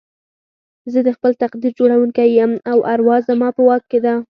زه د خپل تقدير جوړوونکی يم او اروا زما په واک کې ده.